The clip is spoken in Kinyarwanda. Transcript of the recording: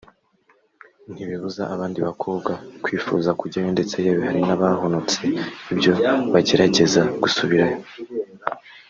ntibibuza abandi bakobwa kwifuza kujyayo ndetse yewe hari n’abahonotse ibyo bagerageza gusubirayo